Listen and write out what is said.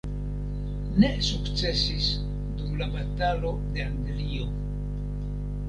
Ne sukcesis dum la batalo de Anglio.